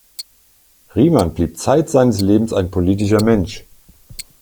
Riemann blieb zeit seines Lebens ein politischer Mensch.